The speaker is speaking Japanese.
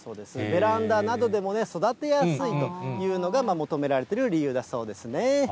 ベランダなどでも育てやすいというのが求められてる理由だそうですね。